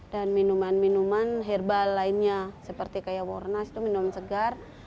dan minuman minuman herbal lainnya seperti kayak warnas itu minuman segar